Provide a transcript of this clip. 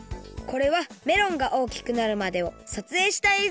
これはメロンがおおきくなるまでをさつえいしたえい